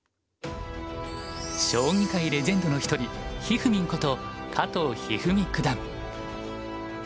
将棋界レジェンドの一人ひふみんこと加藤一二三九段。